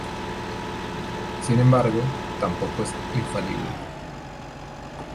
Sin embargo, tampoco es infalible.